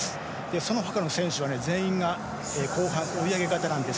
そのほかの選手は全員が後半追い上げ型なんです。